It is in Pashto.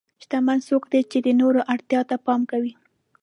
شتمن څوک دی چې د نورو اړتیا ته پام کوي.